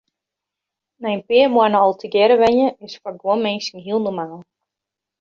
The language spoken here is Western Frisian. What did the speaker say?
Nei in pear moannen al tegearre wenje is foar guon minsken hiel normaal.